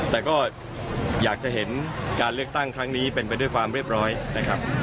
แต่ก็อยากจะเห็นการเลือกตั้งครั้งนี้เป็นไปด้วยความเรียบร้อยนะครับ